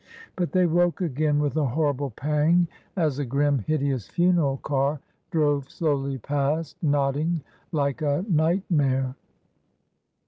But they woke again with a horrible pang, as a grim, hideous funeral car drove slowly past, nodding like a nightmare.